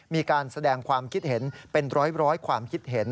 มีการแสดงความคิดเห็นเป็นร้อยความคิดเห็น